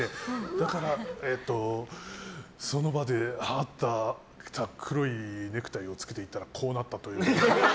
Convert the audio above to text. だから、その場であった黒いネクタイをつけていったらこうなったという。